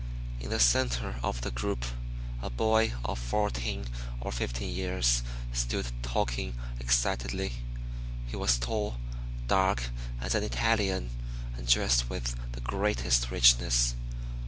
In the center of the group a boy of fourteen or fifteen years stood talking excitedly. He was tall, dark as an Italian, and dressed with the greatest richness.